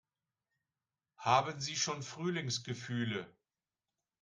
Haben Sie schon Frühlingsgefühle?